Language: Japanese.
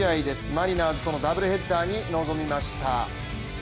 マリナーズとのダブルヘッダーに臨みました。